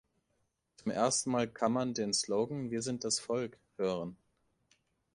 Zum ersten Mal kann man den Slogan „Wir sind das Volk“ hören.